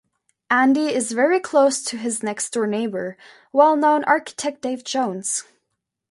Andy is very close to his next door neighbour, well known Architect Dave Jones.